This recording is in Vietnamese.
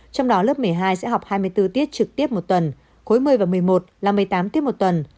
trong đó lớp một mươi hai sẽ học hai mươi bốn tiết trực tiếp một tuần cuối một mươi và một mươi một là một mươi tám tiết một tuần